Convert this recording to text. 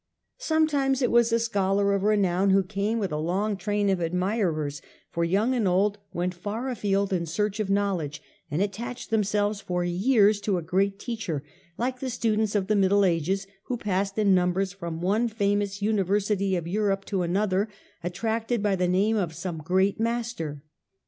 Sometimes it was a scholar of renown who came with a long train of admirers, for young and old went far afield in search of knowledge, and attached themselves for years to a great teacher, like the students of the middle ages who passed in numbers from one famous university of Europe to another, attracted by the name of some great master.